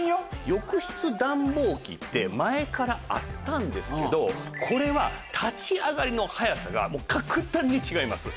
浴室暖房機って前からあったんですけどこれは立ち上がりの早さが格段に違います。